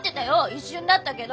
一瞬だったけど。